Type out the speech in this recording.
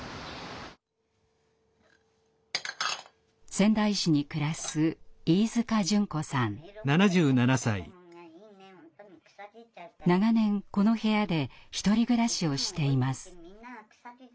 仙台市に暮らす長年この部屋で１人暮らしをしています。